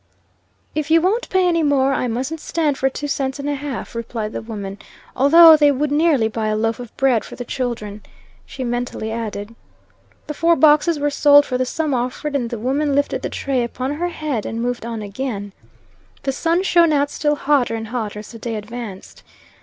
"If you wont pay any more, I musn't stand for two cents and a half," replied the woman, "although they would nearly buy a loaf of bread for the children," she mentally added. The four boxes were sold for the sum offered, and the woman lifted the tray upon her head, and moved on again. The sun shone out still hotter and hotter as the day advanced.